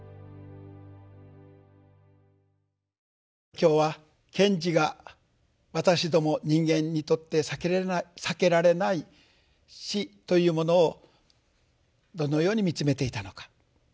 今日は賢治が私ども人間にとって避けられない死というものをどのように見つめていたのか。